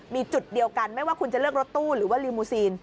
มีจุดเดียวกันไม่ว่าคุณจะเลือกรถตู้หรือว่าลีมูซีน